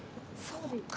そうか。